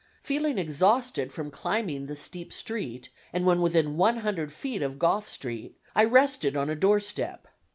Feeling exhausted from climbing the steep street, and when within one hundred feet of Gough Street I rested on a doorstep.